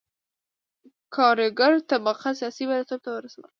کارګره طبقه سیاسي بریالیتوب ته ورسوله.